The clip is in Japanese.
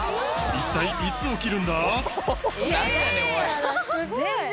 一体いつ起きるんだ！？